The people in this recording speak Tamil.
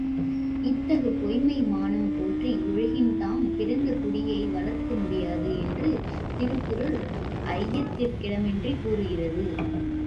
இத்தகு பொய்ம்மை மானம்போற்றி ஒழுகின் தாம் பிறந்த குடியை வளர்க்கமுடியாது என்று திருக்குறள் ஐயத்திர்கிடமின்றிக் கூறுகிறது!